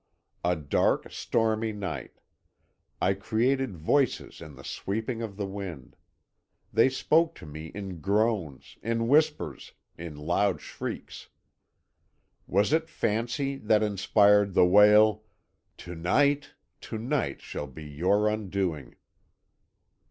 "A dark, stormy night. I created voices in the sweeping of the wind. They spoke to me in groans, in whispers, in loud shrieks. Was it fancy that inspired the wail, 'To night, to night shall be your undoing!'